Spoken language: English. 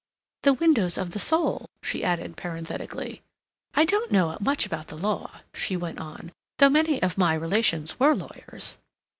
("The windows of the soul," she added parenthetically.) "I don't know much about the law," she went on, "though many of my relations were lawyers.